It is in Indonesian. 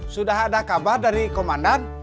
sudah ada kabar dari komandan